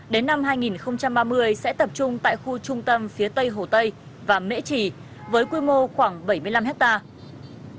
đến năm hai nghìn ba mươi sẽ tập trung tại khu trung tâm phía tây hồ tây và mễ trì với quy mô khoảng bảy mươi năm hectare